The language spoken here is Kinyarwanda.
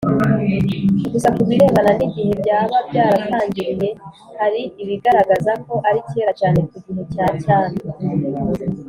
gusa kubirebana n'igihe byaba byaratangiriye hari ibigaragaza ko ari kera cyane ku gihe cya cyami,